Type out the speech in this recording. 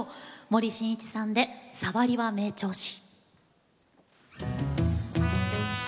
森進一さんで「さわりは名調子」。